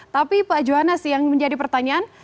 tapi pak johana sih yang menjadi pertanyaan